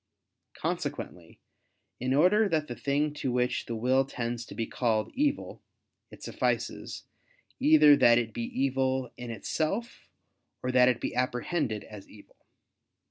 Consequently in order that the thing to which the will tends be called evil, it suffices, either that it be evil in itself, or that it be apprehended as evil.